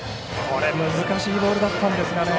難しいボールだったですがね。